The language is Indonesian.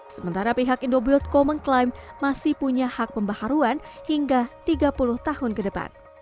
sementara pihak indobuildco mengklaim masih punya hak pembaharuan hingga tiga puluh tahun ke depan